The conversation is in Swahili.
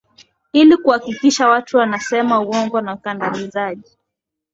ili kuhakikisha watu wanasema uongo na ukandamizaji